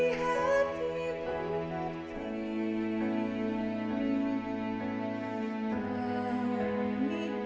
kami tak berbentuk